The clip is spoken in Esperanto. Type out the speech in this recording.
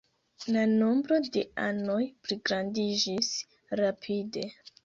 La nombro de anoj pligrandiĝis rapide.